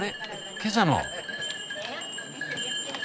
今朝の！